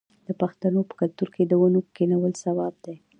د پښتنو په کلتور کې د ونو کینول ثواب دی.